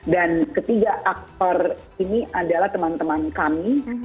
dan ketiga aktor ini adalah teman teman kami